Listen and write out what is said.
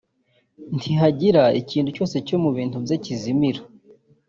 ntihagira ikintu cyose cyo mu bintu bye kizimira